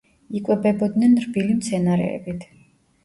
იკვებებოდნენ რბილი მცენარეებით.